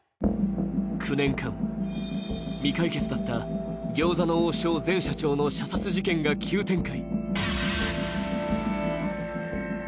９年間、未解決だった餃子の王将前社長の射殺事件が急展開。